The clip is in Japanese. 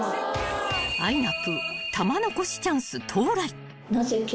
［あいなぷぅ玉のこしチャンス到来］